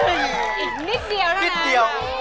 อีกนิดเดียวนะนิดเดียว